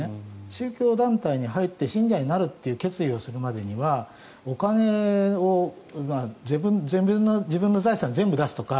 宗教団体に入って信者になると決意するまでにはお金を自分の財産を全部出すとか